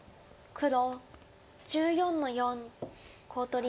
黒１４の四コウ取り。